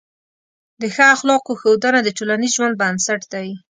د ښه اخلاقو ښودنه د ټولنیز ژوند بنسټ دی.